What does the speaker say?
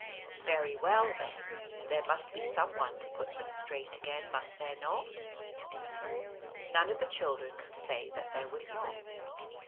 " Very well, then there must be some one to put them straight again, must there not ?" None of the children could say that there was not.